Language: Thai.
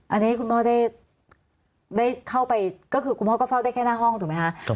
อันนี้คุณพ่อได้เข้าไปก็คือคุณพ่อก็เฝ้าได้แค่หน้าห้องถูกไหมคะ